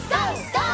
ＧＯ！